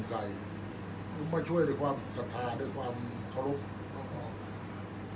อันไหนที่มันไม่จริงแล้วอาจารย์อยากพูด